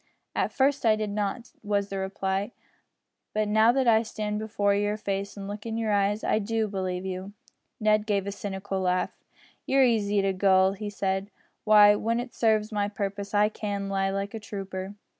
"At first I did not," was the reply, "but now that I stand before your face and look in your eyes I do believe you." Ned gave a cynical laugh. "You're easy to gull," he said; "why, when it serves my purpose I can lie like a trooper."